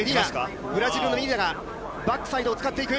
ブラジルのメディーナ、バックサイドを使っていく。